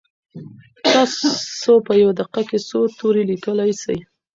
تاسو په یوه دقیقه کي څو توري لیکلی سئ؟